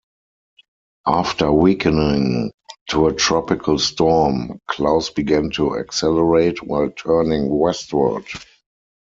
After weakening to a tropical storm, Klaus began to accelerate, while turning westward.